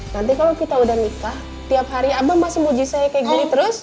nanti kalau kita udah nikah tiap hari abang masih muji saya kayak gini terus